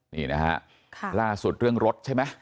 นี่นะฮะล่าสุดเรื่องรถใช่ไหม